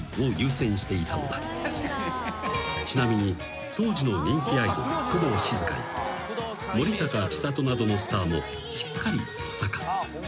［ちなみに当時の人気アイドル工藤静香や森高千里などのスターもしっかりトサカ］